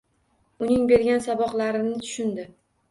— Uning bergan saboqlarini tushundi.